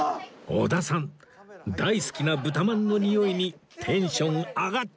織田さん大好きな豚まんのにおいにテンション上がっちゃってます